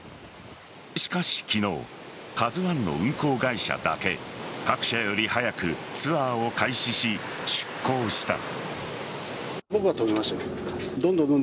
しかし昨日「ＫＡＺＵ１」の運航会社だけ各社より早くツアーを開始し、出港した。